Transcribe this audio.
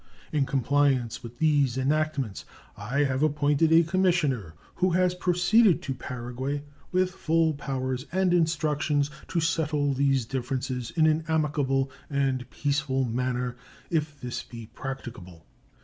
In compliance with these enactments, I have appointed a commissioner, who has proceeded to Paraguay with full powers and instructions to settle these differences in an amicable and peaceful manner if this be practicable.